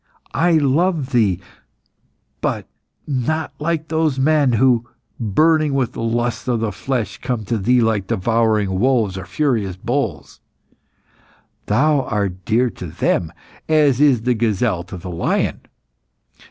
I love thee, but not like those men who, burning with the lusts of the flesh, come to thee like devouring wolves or furious bulls. Thou art dear to them as is the gazelle to the lion.